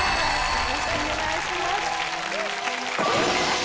よろしくお願いします。